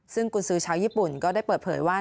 ซึ่งกุญสือชาวญี่ปุ่นก็ได้เปิดเผยว่า